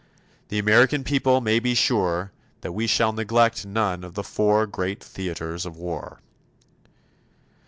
The American people may be sure that we shall neglect none of the four great theaters of war.